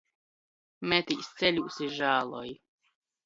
Metīs ceļūs i žāloj